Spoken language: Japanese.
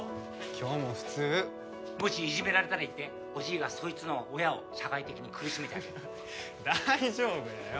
今日も普通もしいじめられたら言っておじいがそいつの親を社会的に苦しめてあげる大丈夫やよ